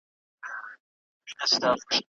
که تیر حادثه بارد به رزمګاه حیات